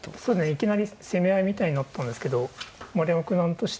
いきなり攻め合いみたいになったんですけど丸山九段としては。